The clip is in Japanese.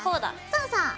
そうそう。